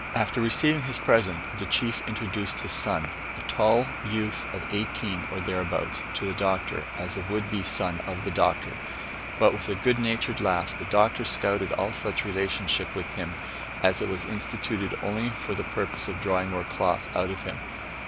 After receiving his present, the chief introduced his son, a tall youth of eighteen or thereabouts, to the Doctor, as a would be son of the Doctor; but, with a good natured laugh, the Doctor scouted all such relationship with him, as it was instituted only for the purpose of drawing more cloth out of him.